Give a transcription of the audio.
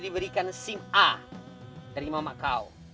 jadi diberikan sim a dari mama kau